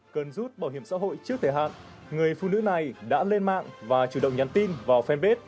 cần rút bảo hiểm xã hội trước thời hạn người phụ nữ này đã lên mạng và chủ động nhắn tin vào fanpage